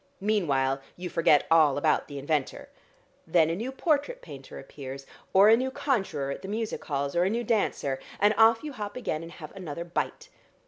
Meanwhile you forget all about the inventor. Then a new portrait painter appears, or a new conjuror at the music halls or a new dancer, and off you hop again and have another bite.